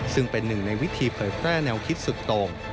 ซึ่งเป็นหนึ่งในวิธีเผยแพร่แนวคิดสุดตรง